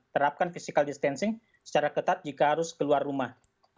terapkan physical distancing secara ketat jika harus keluar rumah